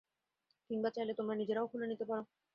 কিংবা চাইলে তোমরা নিজেরাও খুলে নিতে পারো।